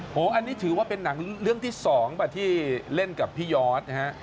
โอ้โหอันนี้ถือว่าเป็นหนังเรื่องที่๒ป่ะที่เล่นกับพี่ยอดนะฮะ